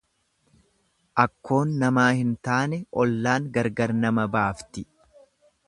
Akkoon namaa hin taane ollaan gargar nama baafti.